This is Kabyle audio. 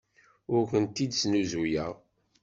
Ur kent-id-snuzuyeɣ.